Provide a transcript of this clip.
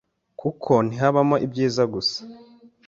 kuko ntihabamo ibyiza gusa